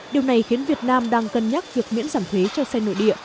điều này khiến việt nam đang cân nhắc việc miễn giảm thuế cho xe nội địa